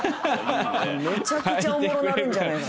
めちゃくちゃおもろなるんじゃないかな。